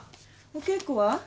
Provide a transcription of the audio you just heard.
お稽古は？